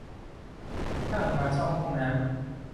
ช่างมาซ่อมห้องน้ำ